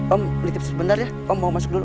om menitip sebentar ya om mau masuk dulu